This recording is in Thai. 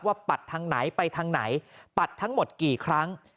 ปัดทางไหนไปทางไหนปัดทั้งหมดกี่ครั้ง